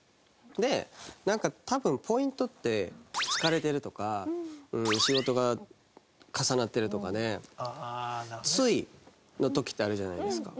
でなんか多分ポイントって疲れてるとか仕事が重なってるとかねついの時ってあるじゃないですか。